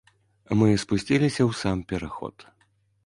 Мы спусціліся ў сам пераход.